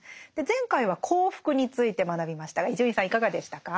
前回は幸福について学びましたが伊集院さんいかがでしたか？